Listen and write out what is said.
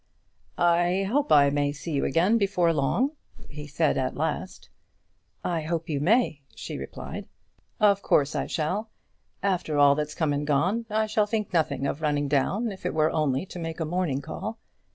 "I hope I may see you again before long," he said at last. "I hope you may," she replied. "Of course I shall. After all that's come and gone, I shall think nothing of running down, if it were only to make a morning call."